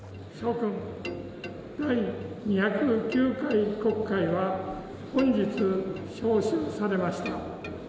諸君、第２０９回国会は、本日召集されました。